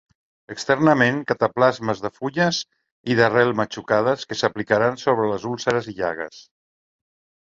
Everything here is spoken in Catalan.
Externament, cataplasmes de fulles i d'arrel matxucades, que s'aplicaran sobre les úlceres i llagues.